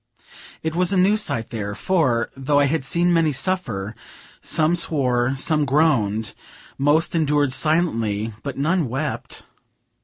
It was a new sight there; for, though I had seen many suffer, some swore, some groaned, most endured silently, but none wept.